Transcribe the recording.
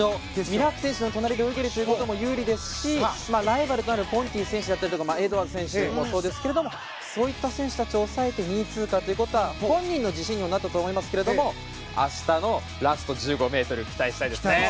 ミラーク選手の隣で泳げるということも有利ですし、ライバルとなるポンティ選手だったりエドワーズ選手もそうですけどそういった選手たちを抑えて２位通過ということは本人の自信にもなったと思いますけれども明日のラスト１５ｍ期待したいですね。